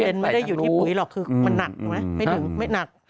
ประเด็นไม่ได้อยู่ที่ปุ๋ยหรอกคือมันหนักใช่ไหมไม่หนัก